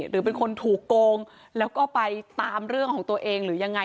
หรือเป็นคนถูกโกงแล้วก็ไปตามเรื่องของตัวเองหรือยังไง